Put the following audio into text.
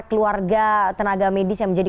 keluarga tenaga medis yang menjadi